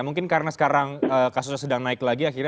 mungkin karena sekarang kasusnya sedang naik lagi